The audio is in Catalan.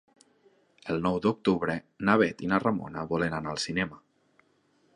El nou d'octubre na Bet i na Ramona volen anar al cinema.